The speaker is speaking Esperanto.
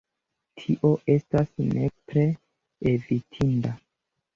Tio estas nepre evitinda.